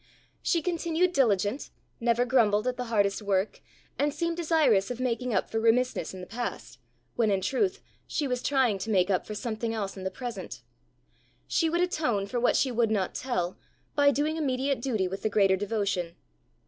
She continued diligent, never grumbled at the hardest work, and seemed desirous of making up for remissness in the past, when in truth she was trying to make up for something else in the present: she would atone for what she would not tell, by doing immediate duty with the greater devotion.